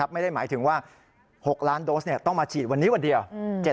ไม่ได้หมายถึงว่า๖ล้านโดสต้องมาฉีดวันนี้วันเดียว